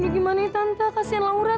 ya gimana tante kasian laura tante